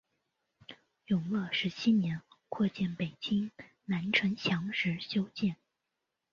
永乐十七年扩建北京南城墙时修建。